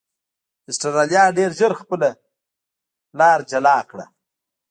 اسټرالیا ډېر ژر خپله لار جلا کړه.